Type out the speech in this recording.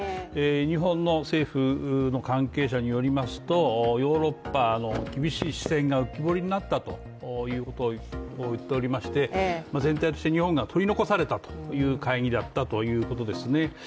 日本の政府の関係者によりますと、ヨーロッパの厳しい視線が浮き彫りになったということを言っておりまして全体として日本が取り残されたという会議だったということですね。